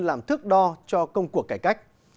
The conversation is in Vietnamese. làm thước đo cho công cuộc cải cách